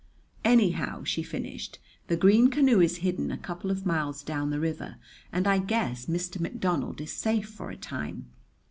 "Anyhow," she finished, "the green canoe is hidden a couple of miles down the river, and I guess Mr. McDonald is safe for a time.